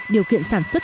điều kiện sản xuất